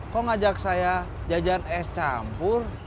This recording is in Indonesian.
kok ngajak saya jajan es campur